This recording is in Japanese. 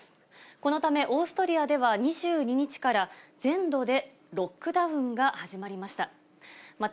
このためオーストリアでは２２日から全土でロックダウンが始まりました。